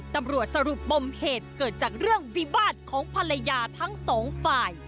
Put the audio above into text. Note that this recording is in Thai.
ตำรวจสรุปปมเหตุเกิดจากเรื่องวิวาสของภรรยาทั้งสองฝ่าย